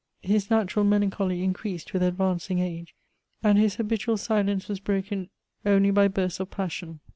His natural melancholy increased with advanc ing age, and his habitual silence was broken only by bursts of passion.